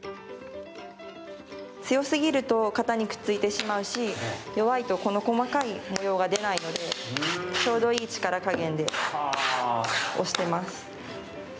強すぎると型にくっついてしまうし弱いとこの細かい模様が出ないのでちょうどいい力加減で押してます。